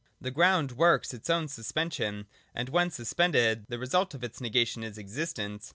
The ground works its own suspension: and when suspended, the result of its negation is existence.